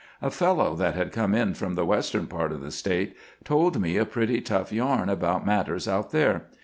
A fellow that had come in from the western part of the State told me a pretty tough yarn about matters out there.